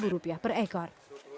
rupiah per ekor